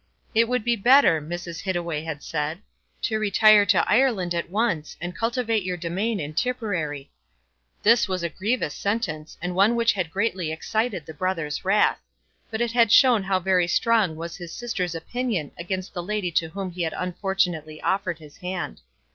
"It would be better," Mrs. Hittaway had said, "to retire to Ireland at once, and cultivate your demesne in Tipperary." This was a grievous sentence, and one which had greatly excited the brother's wrath; but it had shown how very strong was his sister's opinion against the lady to whom he had unfortunately offered his hand.